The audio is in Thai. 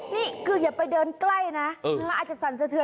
นี่คืออย่าไปเดินใกล้น่ะคือเราอาจจะสั่นเสือเทือ